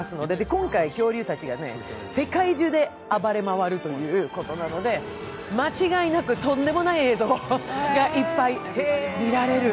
今回恐竜たちが世界中で暴れ回るということなので、間違いなくとんでもない映像がいっぱい見られる。